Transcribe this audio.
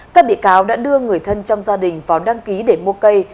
các bị cáo đã đưa người thân trong gia đình vào đăng ký để mua cây